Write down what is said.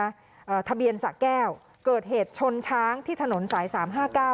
อ่าทะเบียนสะแก้วเกิดเหตุชนช้างที่ถนนสายสามห้าเก้า